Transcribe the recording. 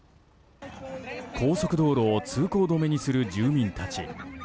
高速道路を通行止めにする住民たち。